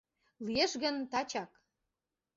— Лиеш гын, тачак.